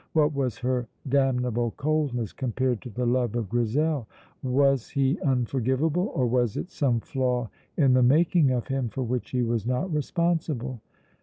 what was her damnable coldness compared to the love of Grizel? Was he unforgivable, or was it some flaw in the making of him for which he was not responsible?